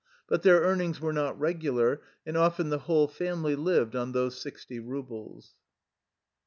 But their earnings were not regular, and often the whole family lived on those sixty rubles.